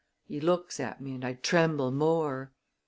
He looks at me and I tremble more.